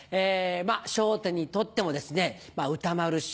『笑点』にとっても歌丸師匠